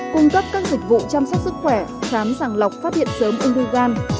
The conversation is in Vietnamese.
cung cấp các dịch vụ chăm sóc sức khỏe khám sàng lọc phát hiện sớm ung thư gan